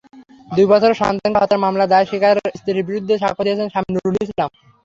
দুই বছরের সন্তানকে হত্যার মামলায় স্ত্রীর বিরুদ্ধে সাক্ষ্য দিয়েছেন স্বামী নুরুল ইসলাম।